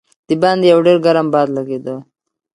د باندې یو ډېر ګرم باد لګېده.